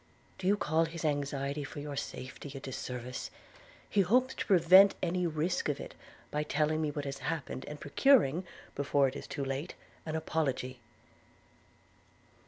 'Do you call his anxiety for your safety a disservice? He hopes to prevent any risk of it, by telling me what has happened, and procuring, before it is too late, an apology.'